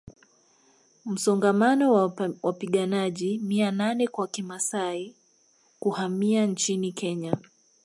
Msongamano wa wapiganaji mia nane wa Kimasai kuhamia nchini Kenya